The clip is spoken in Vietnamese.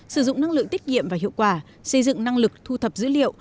sử dụng năng lượng tiết kiệm và hiệu quả xây dựng năng lực thu thập dữ liệu